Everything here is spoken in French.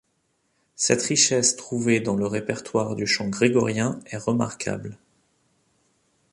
Cette richesse trouvée dans le répertoire du chant grégorien est remarquable.